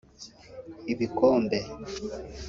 Ibikombe